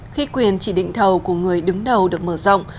khi quyền chỉ định thầu của người đứng đầu được mở rộng